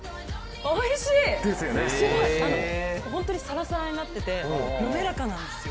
ホントにサラサラになっててなめらかなんですよ。